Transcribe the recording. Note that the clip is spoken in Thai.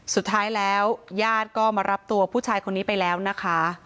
สุดท้ายแล้วญาติก็มารับตัวผู้ชายคนนี้ไปแล้วนะคะ